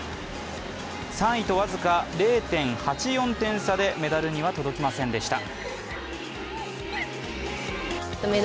３位と僅か０．８４点差でメダルには届きませんでした。